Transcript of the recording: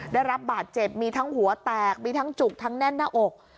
ได้รับบาดเจ็บมีทั้งหัวแตกมีทั้งจุกทั้งแน่นหน้าอก